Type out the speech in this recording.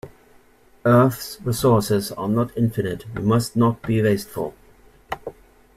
Earths resources are not infinite, we must not be wasteful.